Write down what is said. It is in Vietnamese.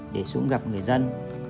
để xuống gặp người dân